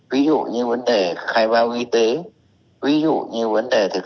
ví dụ như vấn đề khai bao y tế ví dụ như vấn đề thực hiện năm k